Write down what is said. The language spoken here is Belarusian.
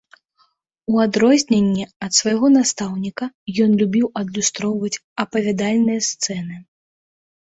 У адрозненне ад свайго настаўніка, ён любіў адлюстроўваць апавядальныя сцэны.